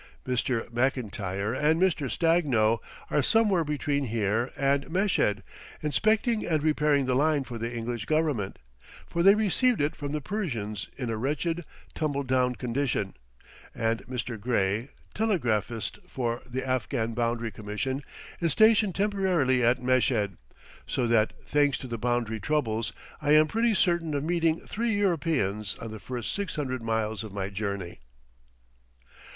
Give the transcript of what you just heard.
Mr. Mclntire and Mr. Stagno are somewhere between here and Meshed, inspecting and repairing the line for the English Government, for they received it from the Persians in a wretched, tumble down condition, and Mr. Gray, telegraphist for the Afghan Boundary Commission, is stationed temporarily at Meshed, so that, thanks to the boundary troubles, I am pretty certain of meeting three Europeans on the first six hundred miles of my journey.